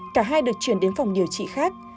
cả hai được chuyển đến phòng điều trị khác